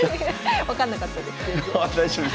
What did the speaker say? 分かんなかったです全然。